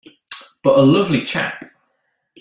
But a lovely chap!